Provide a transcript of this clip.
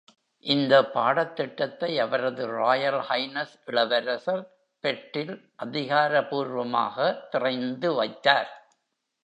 இந்த பாடத்திட்டத்தை அவரது ராயல் ஹைனஸ் இளவரசர் பெர்டில் அதிகாரப்பூர்வமாக திறந்து வைத்தார்.